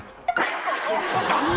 残念！